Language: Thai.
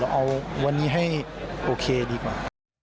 เอาวันนี้ให้โอเคดีกว่า